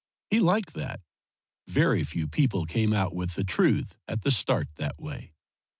He liked that. Very few people came out with the truth at the start that way.